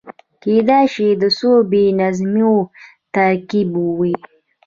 کېدای شي د څو بې نظمیو ترکيب وي.